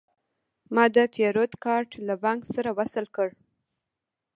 ما د پیرود کارت له بانک سره وصل کړ.